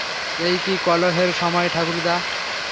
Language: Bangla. এই কি কলহের সময় ঠাকুরদা?